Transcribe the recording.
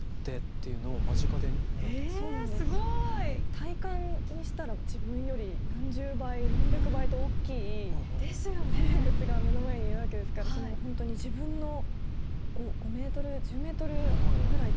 体感にしたら自分より何十倍何百倍とおっきい生物が目の前にいるわけですから本当に自分の５ｍ１０ｍぐらい近くで